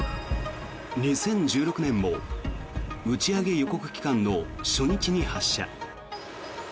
２０１６年も打ち上げ予告期間の初日に発射。